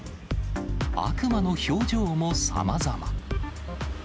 悪魔の表情もさまざま。